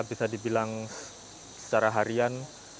bisa dibilang secara harian